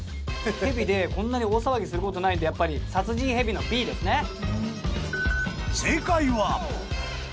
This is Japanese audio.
ヘビでこんなに大騒ぎすることないんでやっぱり「殺人ヘビ」のＢですね。